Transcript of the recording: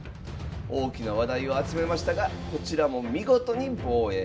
大きな話題を集めましたがこちらも見事に防衛。